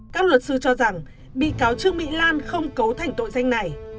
các luật sư cho rằng bị cáo trương mỹ lan không cấu thành tội danh này